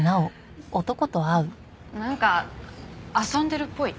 なんか遊んでるっぽい。